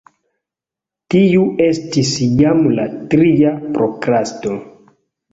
Tiu estis jam la tria prokrasto.